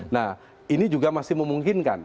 nah ini juga masih memungkinkan